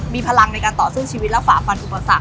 มีพลังในการต่อสู้ชีวิตและฝ่าฟันอุปสรรค